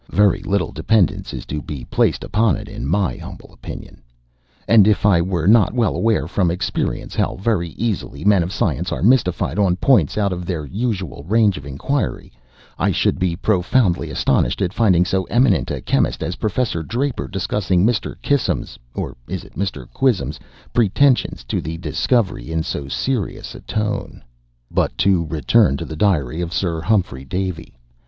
Very little dependence is to be placed upon it, in my humble opinion; and if I were not well aware, from experience, how very easily men of science are mystified, on points out of their usual range of inquiry, I should be profoundly astonished at finding so eminent a chemist as Professor Draper, discussing Mr. Kissam's (or is it Mr. Quizzem's?) pretensions to the discovery, in so serious a tone. But to return to the 'Diary' of Sir Humphrey Davy.